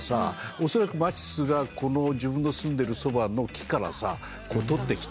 恐らくマティスがこの自分の住んでるそばの木からさ取ってきた。